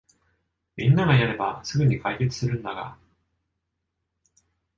みんながやればすぐに解決するんだが